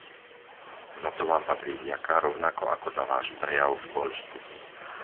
Za to Vám patrí vďaka, rovnako ako za Váš prejav v Poľsku!